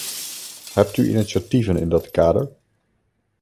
Hebt u initiatieven in dat kader?